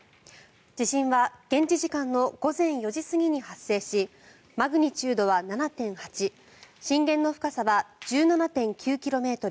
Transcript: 地震は現地時間の午前４時過ぎに発生しマグニチュードは７．８震源の深さは１７．９ｋｍ。